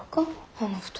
あの２人。